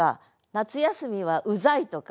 「夏休みはウザい」とか。